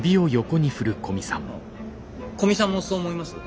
あっ古見さんもそう思います？